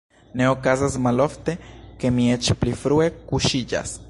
Ne okazas malofte, ke mi eĉ pli frue kuŝiĝas.